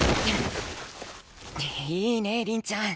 いいね凛ちゃん。